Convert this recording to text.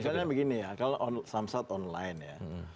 misalnya begini ya kalau samsat online ya